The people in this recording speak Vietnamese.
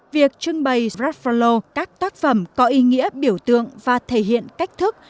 việc trưng bày rafalo các tác phẩm có ý nghĩa biểu tượng và thể hiện cách thức